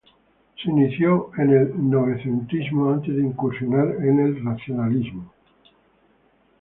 Se inició en el novecentismo, antes de incursionar en el racionalismo.